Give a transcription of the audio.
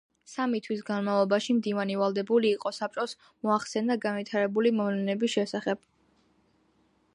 სამი თვის განმავლობაში, მდივანი ვალდებული იყო, საბჭოს მოახსენა განვითარებული მოვლენების შესახებ.